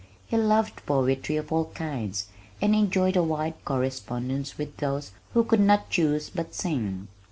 He loved poetry of all kinds and enjoyed a wide correspondence with those "who could not choose but sing."